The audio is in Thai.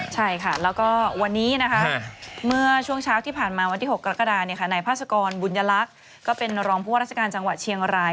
ใช่ค่ะแล้วก็วันนี้นะคะเมื่อช่วงเช้าที่ผ่านมาวันที่๖กรกฎานายพาสกรบุญยลักษณ์ก็เป็นรองผู้ว่าราชการจังหวัดเชียงราย